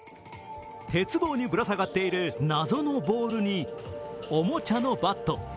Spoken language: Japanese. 鉄棒にぶら下がっている謎のボールにおもちゃのバット。